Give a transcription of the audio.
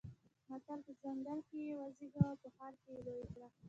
متل: په ځنګله کې يې وزېږوه او په ښار کې يې لوی کړه.